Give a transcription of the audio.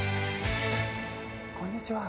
こんにちは。